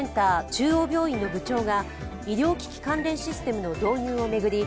中央病院の部長が医療機器システムの導入を巡り